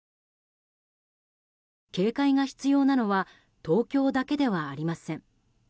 警戒が必要なのは東京だけではありません。